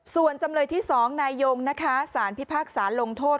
ส่วนจำเลยที่๒นายยงนะคะสารพิพากษาลงโทษ